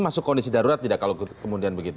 masuk kondisi darurat tidak kalau kemudian begitu